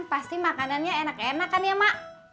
pasti makanannya enak enak kan ya mak